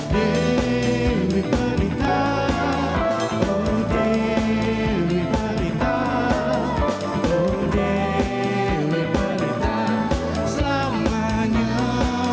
dewi berita oh dewi berita oh dewi berita selamanya